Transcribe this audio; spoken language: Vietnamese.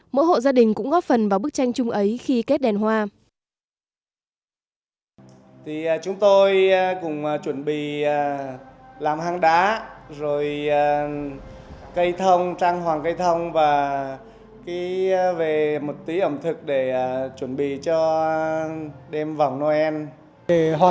mỗi hộ gia đình cũng góp phần vào bức tranh chung ấy khi kết đèn hoa